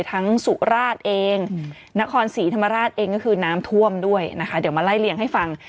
สุราชเองนครศรีธรรมราชเองก็คือน้ำท่วมด้วยนะคะเดี๋ยวมาไล่เลี่ยงให้ฟัง